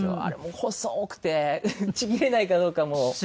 あれも細くてちぎれないかどうかもう。